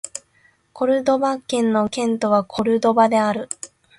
コルドバ県の県都はコルドバである